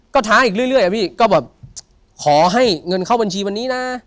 ขอถาอีกเรื่อยอย่างก็บอกอยากให้เงินที่เข้าบัญชีบันนี้นะ